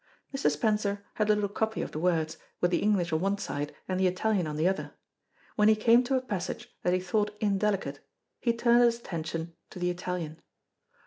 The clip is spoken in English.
Mr. Spencer had a little copy of the words, with the English on one side and the Italian on the other. When he came to a passage that he thought indelicate, he turned his attention to the Italian.